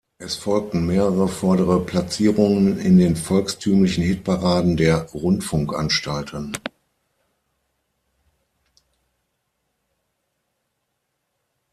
Es folgten mehrere vordere Platzierungen in den volkstümlichen Hitparaden der Rundfunkanstalten.